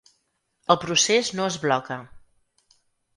El procés no es bloca.